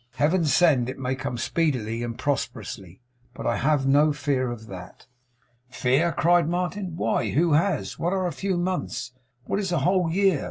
Heaven send it may come speedily and prosperously! But I have no fear of that.' 'Fear!' cried Martin. 'Why, who has? What are a few months? What is a whole year?